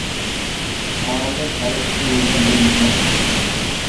پائالىيەت ھەر ئىككى يىلدا بىر نۆۋەت ئۆتكۈزۈلىدۇ.